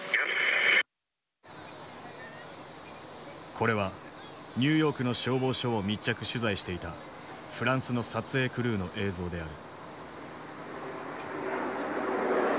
これはニューヨークの消防署を密着取材していたフランスの撮影クルーの映像である。